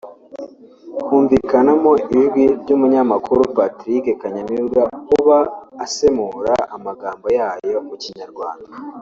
humvikanamo ijwi ry’umunyamakuru Patrick kanyamibwa uba asemura amagambo yayo mu kinyarwanda